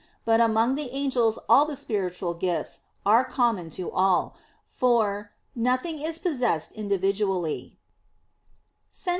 But among the angels all the spiritual gifts are common to all, for "nothing is possessed individually" (Sent.